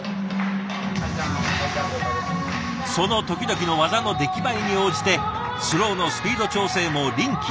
その時々の技の出来栄えに応じてスローのスピード調整も臨機応変に。